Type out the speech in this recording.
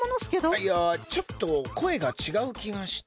いやちょっとこえがちがうきがして。